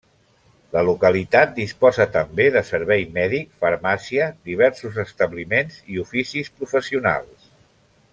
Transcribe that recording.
La localitat disposa també de servei mèdic, farmàcia, diversos establiments i oficis professionals.